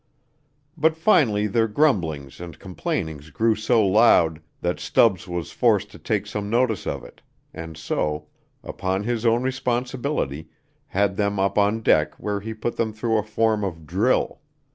But finally their grumblings and complainings grew so loud that Stubbs was forced to take some notice of it, and so, upon his own responsibility, had them up on deck where he put them through a form of drill.